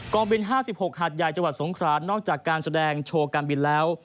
บิน๕๖หาดใหญ่จังหวัดสงครานนอกจากการแสดงโชว์การบินแล้ว